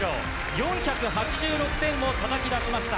４８６点をたたき出しました。